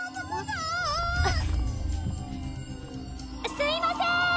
すみません！